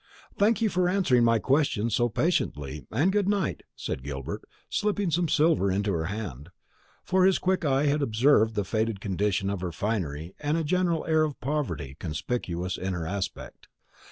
"Thank you for answering my questions so patiently, and good night," said Gilbert, slipping some silver into her hand; for his quick eye had observed the faded condition of her finery, and a general air of poverty conspicuous in her aspect.